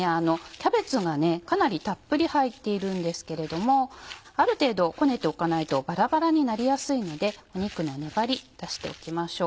キャベツがかなりたっぷり入っているんですけれどもある程度こねておかないとバラバラになりやすいので肉の粘り出しておきましょう。